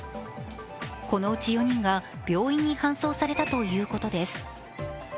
このうち４人が病院に搬送されたということです。